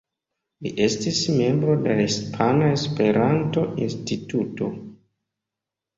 Li estis membro de la Hispana Esperanto-Instituto.